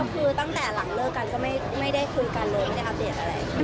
ก็คือตั้งแต่หลังเลิกกันก็ไม่ได้คุยกันเลย